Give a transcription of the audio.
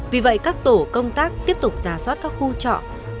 vì vậy các tổ công tác tiếp tục ra soát các khu trọ